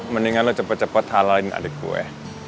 mendingan lu cepet cepet halalin adik gue